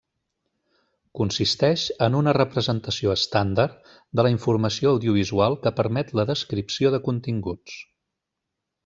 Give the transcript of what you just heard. Consisteix en una representació estàndard de la informació audiovisual que permet la descripció de continguts.